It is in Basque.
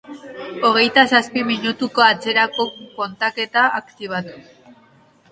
Hogeita zazpi minutuko atzerako kontaketa aktibatu.